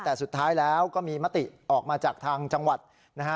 แต่สุดท้ายแล้วก็มีมติออกมาจากทางจังหวัดนะฮะ